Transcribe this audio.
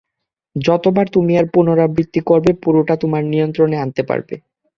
যতবার তুমি এর পুনরাবৃত্তি করবে, পুরোটা তোমার নিয়ন্ত্রনে আনতে পারবে।